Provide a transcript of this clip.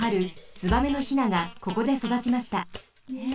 ツバメのヒナがここでそだちました。え！